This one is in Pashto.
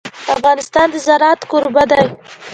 افغانستان د زراعت کوربه دی.